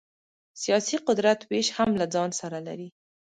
سیاسي قدرت وېش هم له ځان سره لري.